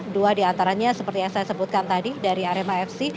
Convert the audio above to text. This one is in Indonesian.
dua diantaranya seperti yang saya sebutkan tadi dari rmafc